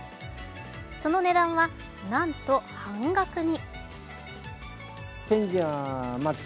その値段は、なんと半額に。